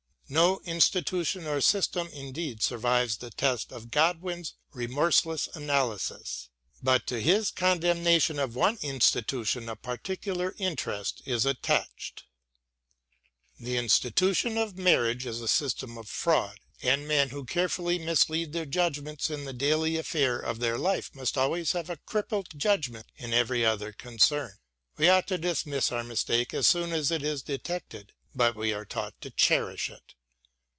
No institution or system indeed survives the test of Godwin's remorseless analysis. But to his condemnation of one institution a particular interest is attached : The institution of marriage is a system of fraud and men who carefully mislead their judgments in the daily aflfair of their life must always have a crippled judgment in every other concern. We ought to dismiss our mistake as soon as it is detected, but we are taught to cherish it.